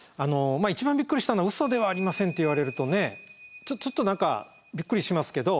一番びっくりしたのは「ウソではありません」って言われるとねちょっと何かびっくりしますけど。